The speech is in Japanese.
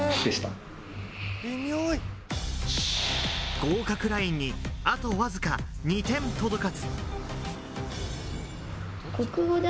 合格ラインにあとわずか、２点届かず。